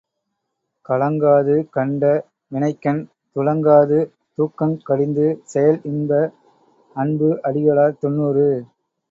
கலங்காது கண்ட வினைக்கண் துளங்காது தூக்கங் கடிந்து செயல் இன்ப அன்பு அடிகளார் தொன்னூறு.